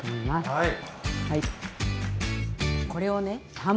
はい。